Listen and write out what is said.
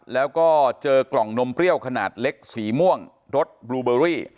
แล้วก็เจอกล่องนมเปรี้ยวขนาดเล็กสีม่วงรสบลูเบอรี่